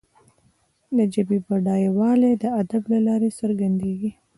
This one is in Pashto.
د ژبي بډایوالی د ادب له لارې څرګندیږي.